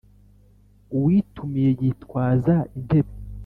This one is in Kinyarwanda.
Uwitumiye yitwaza intebe.